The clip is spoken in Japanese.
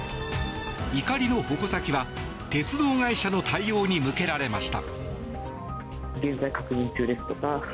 怒りの矛先は鉄道会社の対応に向けられました。